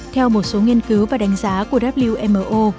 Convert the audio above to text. theo một số nghiên cứu và đánh giá của wmo